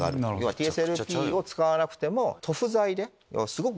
ＴＳＬＰを使わなくても。